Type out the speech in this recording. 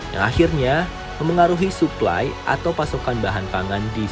yang akhirnya memengaruhi supply atau pasokan bahan pangan di sisi produk